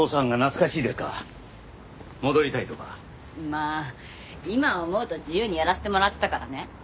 まあ今思うと自由にやらせてもらってたからね。